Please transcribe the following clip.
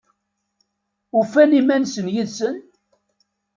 Ufan iman-nsen yid-sen?